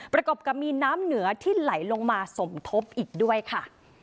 ประกอบกับมีน้ำเหนือที่ไหลลงมาสมทบอีกด้วยค่ะ